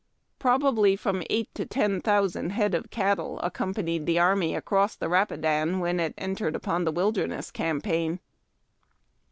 Probably from eight to ten thousand head of cattle accompanied the army across the Rapidan, when it entered upon the Wilderness Campaign.